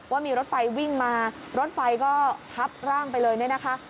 ว่ามีรถไฟวิ่งมารถไฟก็ทับร่างไปเลยเนี่ยนะคะ